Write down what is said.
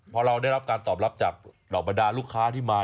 พอเราได้รับการตอบรับจากเหล่าบรรดาลูกค้าที่มา